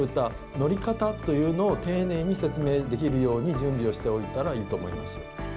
乗り方というのを丁寧に説明できるように準備をしておいたらいいと思います。